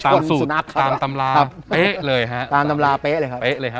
ตามสูตรตามตำราเป๊ะเลย